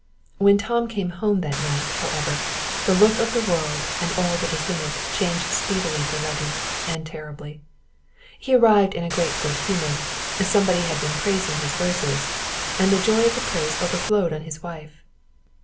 When Tom came home that night, however, the look of the world and all that is in it changed speedily for Letty, and terribly. He arrived in great good humor somebody had been praising his verses, and the joy of the praise overflowed on his wife.